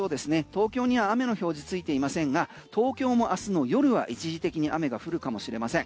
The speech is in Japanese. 東京には雨の表示ついていませんが東京も明日の夜は一時的に雨が降るかもしれません。